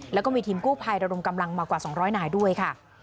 แล้วก็มีทีมกู้ภัยระดมกำลังมากว่า๒๐๐นายด้วยค่ะ